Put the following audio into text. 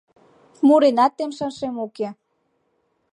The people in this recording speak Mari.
Муренат темшашем уке.